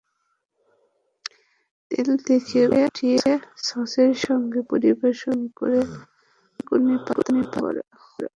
তেল থেকে উঠিয়ে সসের সঙ্গে পরিবেশন করুন থানকুনি পাতার বড়া।